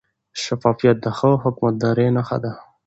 شفافیت د ښه حکومتدارۍ نښه ده.